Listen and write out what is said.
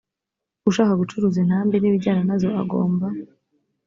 ushaka gucuruza intambi n ibijyana nazo agomba